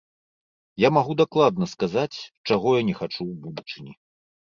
Я магу дакладна сказаць, чаго я не хачу ў будучыні.